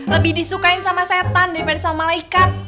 lebih disukain sama setan daripada sama malaikat